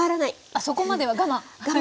そこまでは我慢！